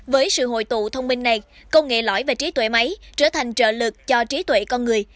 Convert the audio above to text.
với sự hội tụ thông minh này công nghệ lõi về trí tuệ máy trở thành trợ lực cho trí tuệ con người